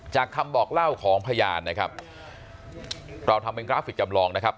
คำบอกเล่าของพยานนะครับเราทำเป็นกราฟิกจำลองนะครับ